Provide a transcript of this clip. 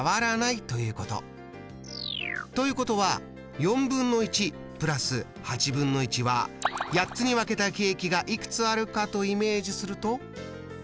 ということは＋は８つに分けたケーキがいくつあるかとイメージすると。